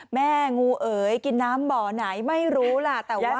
แม่งูเอ๋ยกินน้ำบ่อไหนไม่รู้ล่ะแต่ว่า